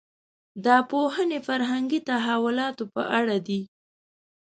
دا پوهنې فرهنګي تحولاتو په اړه دي.